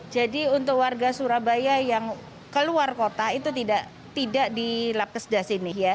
jadi untuk warga surabaya yang keluar kota itu tidak di lap kesedah sini